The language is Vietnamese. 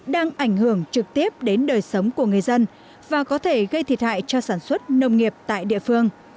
đang ảnh hưởng trực tiếp đến đời sống của người dân và có thể gây thiệt hại cho sản xuất nông nghiệp tại địa phương